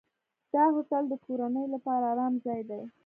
دا هوټل د کورنیو لپاره آرام ځای دی.